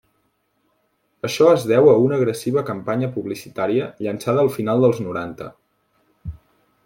Això es deu a una agressiva campanya publicitària llançada al final dels noranta.